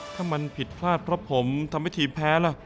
ถ้ามันผิดพลาดเพราะผมทำให้ทีมแพ้ล่ะ